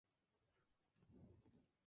La pareja había tenido tres hijos.